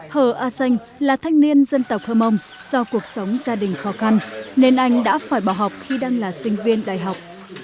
hờ a xanh là thanh niên dân tộc hơ mông do cuộc sống gia đình khó khăn nên anh đã phải bỏ học khi đang là sinh viên đại học